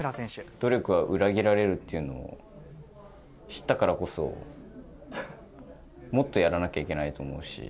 努力は裏切られるっていうのを知ったからこそ、もっとやらなきゃいけないと思うし。